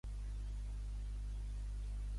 Era germà d'Abdollah Noori.